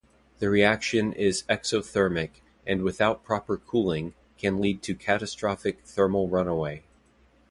The reaction is exothermic, and without proper cooling, can lead to catastrophic thermal runaway.